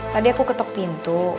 tadi aku ketok pintu